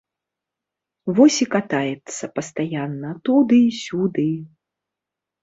Вось і катаецца пастаянна туды-сюды.